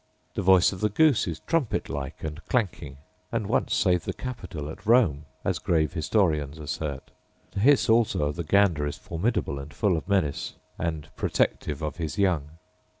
The voice of the goose is trumpet like, and clanking; and once saved the Capitol at Rome, as grave historians assert: the hiss also of the gander is formidable and full of menace, and 'protective of his young.